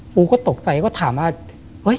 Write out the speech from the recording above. ปูก็ตกใจก็ถามว่า